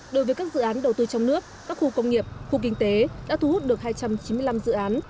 đối với các dự án đầu tư trong nước các khu công nghiệp khu kinh tế đã thu hút được hai trăm chín mươi năm dự án